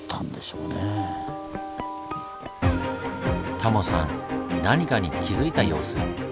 タモさん何かに気付いた様子。